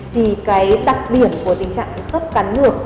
thì cái đặc điểm của tình trạng khất cắn ngược